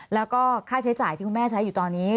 แล้วก็ค่าใช้จ่ายที่คุณแม่ใช้อยู่ตอนนี้